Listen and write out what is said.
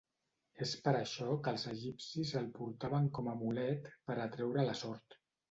És per això que els egipcis el portaven com a amulet per atreure la sort.